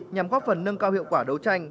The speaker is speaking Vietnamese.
nhằm góp phần nâng cao hiệu quả đấu tranh